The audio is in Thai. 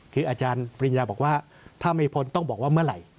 คืออาจารย์ปริญญาบอกว่าถ้าไม่พ้นต้องบอกว่าเมื่อไหร่